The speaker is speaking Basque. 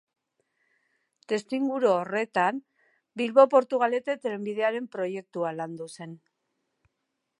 Testuinguru horretan, Bilbo-Portugalete trenbidearen proiektua landu zen.